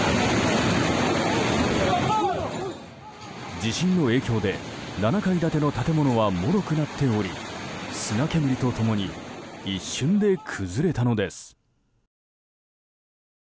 地震の影響で、７階建ての建物はもろくなっており砂煙と共に一瞬で崩れたのです。